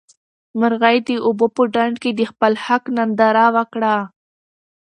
مرغۍ د اوبو په ډنډ کې د خپل حق ننداره وکړه.